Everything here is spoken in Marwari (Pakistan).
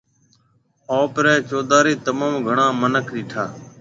آپرَي چوڌاري تموم گھڻا مِنک ڏيٺا۔